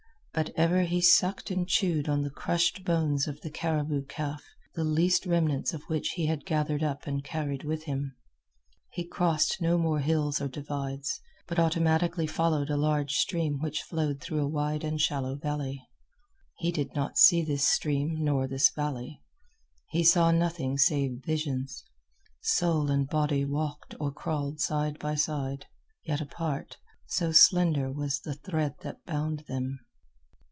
But ever he sucked and chewed on the crushed bones of the caribou calf, the least remnants of which he had gathered up and carried with him. He crossed no more hills or divides, but automatically followed a large stream which flowed through a wide and shallow valley. He did not see this stream nor this valley. He saw nothing save visions. Soul and body walked or crawled side by side, yet apart, so slender was the thread that bound them.